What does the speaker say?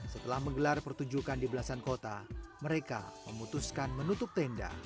setelah menggelar pertunjukan di belasan kota mereka memutuskan menutup tenda